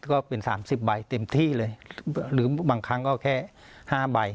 ก็เป็นสามสิบใบเต็มที่เลยหรือบางครั้งก็แค่๕ใบ